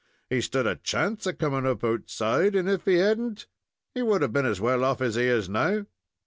He stood a chance of coming up outside, and if he had n't, he would have been as well off as he is now."